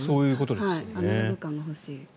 アナログ感が欲しい。